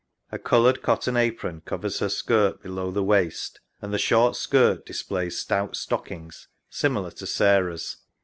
A coloured cotton apron covers her skirt below the ivaist, and the short skirt displays stout stockings similar to Sarah's.